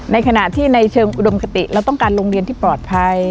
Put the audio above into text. ในขณะที่ในเชิงอุดมคติเราต้องการโรงเรียนที่ปลอดภัย